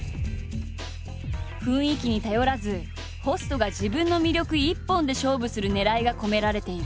雰囲気に頼らずホストが自分の魅力一本で勝負するねらいが込められている。